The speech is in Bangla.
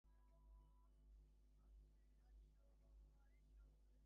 এই টানেল কোথায় গেছে?